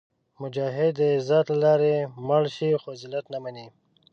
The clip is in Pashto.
مجاهد د عزت له لارې مړ شي، خو ذلت نه مني.